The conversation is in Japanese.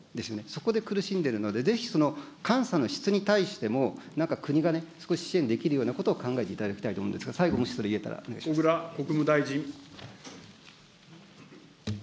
そこで苦しんでいるので、ぜひその監査の質に対しても、国が少し支援できるようなことを考えていただきたいと思うんですが、最後、小倉国務大臣。